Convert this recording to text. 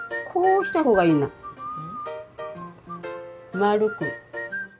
丸く。